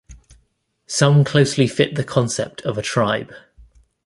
Some closely fit the concept of a tribe.